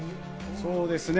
そうですね。